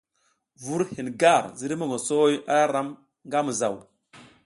Vur hin gar ziriy mongoso a ra ram nga mizaw.